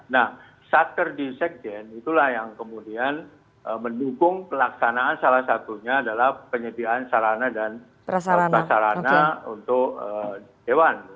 nah satker di sekjen itulah yang kemudian mendukung pelaksanaan salah satunya adalah penyediaan sarana dan prasarana untuk dewan